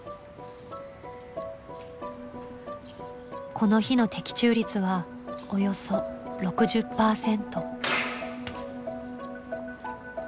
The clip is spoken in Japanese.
この日の的中率はおよそ６０％。